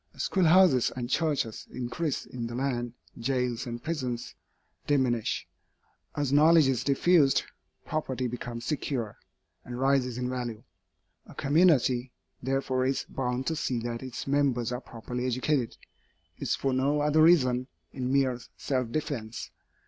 As schoolhouses and churches increase in the land, jails and prisons diminish. As knowledge is diffused, property becomes secure, and rises in value. A community, therefore, is bound to see that its members are properly educated, if for no other reason, in mere self defence.